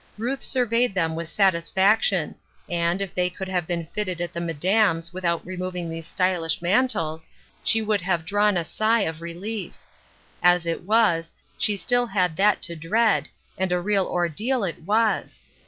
Ruth surveyed them with satisfaction ; and, if they could have been fitted at the " Mad ame's," without removing those stylish mantles, she would have drawn a sigh of relief. As it was, she still had that to dread, and a real ordeal it was.